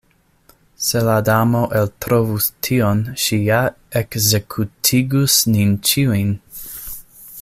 Se la Damo eltrovus tion, ŝi ja ekzekutigus nin ĉiujn.